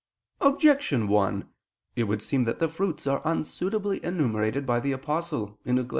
Objection 1: It would seem that the fruits are unsuitably enumerated by the Apostle (Gal.